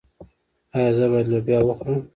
ایا زه باید لوبیا وخورم؟